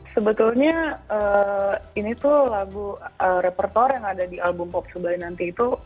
sebetulnya ini tuh lagu repertor yang ada di album pop subai nanti itu